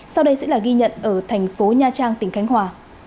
sau đây sẽ là ghi nhận ở thành phố nha trang tỉnh khánh hòa